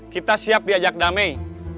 kita siap diajak damai